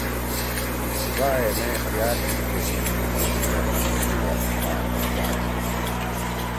صوبائے مے اختیار دیِد کہ سے تنُو مرضی دے مرکزی ریاست ما نُوخ بھادی